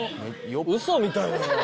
ウソみたいだな。